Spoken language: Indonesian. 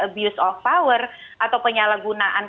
abuse of power atau penyalahgunaan